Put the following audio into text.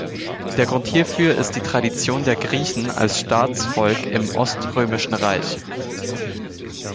Der Grund hierfür ist die Tradition der Griechen als Staatsvolk im Oströmischen Reich.